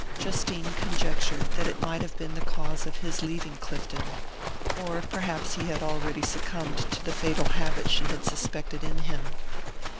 Justine conjectured that it might have been the cause of his leaving Clifton or or perhaps he had already succumbed to the fatal habit she had suspected in him.